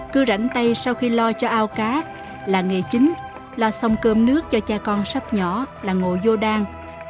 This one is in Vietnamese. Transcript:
cứ rảnh tay sau khi lo cho ao cá là nghề chính lo xong cơm nước cho cha con sắp nhỏ là ngộ vô đan